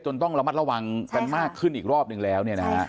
ต้องระมัดระวังกันมากขึ้นอีกรอบนึงแล้ว